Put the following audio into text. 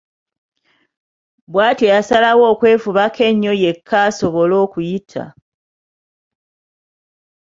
Bw’atyo yasalawo okwefubako ennyo yekka asobole okuyita.